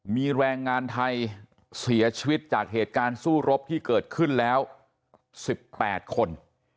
มีแรงงานไทยเสียชีวิตจากเหตุการณ์สู้รบที่เกิดขึ้นแล้ว๑๘คน